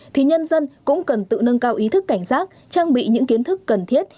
thì nhân dân cũng cần tự nâng cao ý thức cảnh giác trang bị những kiến thức cần thiết